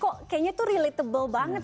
kok kayaknya tuh relatable banget